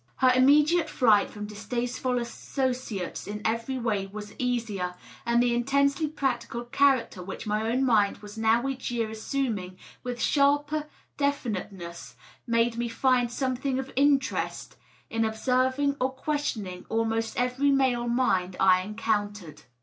Here immediate flight from distasteful associates in every way was easier, and the intensely practical character which my own mind was now each year assuming with sharper definiteness made me find something of interest in ob serving or questioning almost every male mind I encountered.